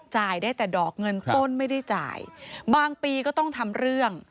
จ่ายได้แต่ดอกเงินต้นไม่ได้จ่ายบางปีก็ต้องทำเรื่อง